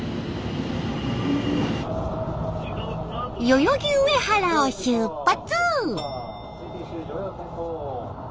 代々木上原を出発！